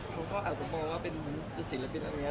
เขาก็แอบจะมองว่าเป็นศิลปินแบบนี้